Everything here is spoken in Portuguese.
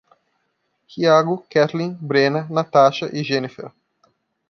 Hiago, Ketlin, Brena, Natasha e Jeniffer